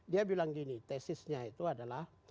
dia bilang gini tesisnya itu adalah